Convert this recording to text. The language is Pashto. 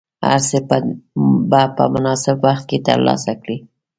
هر څه به په مناسب وخت کې ترلاسه کړې.